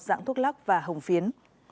dạng thuốc lắc và hồng phiến